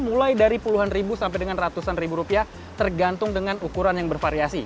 mulai dari puluhan ribu sampai dengan ratusan ribu rupiah tergantung dengan ukuran yang bervariasi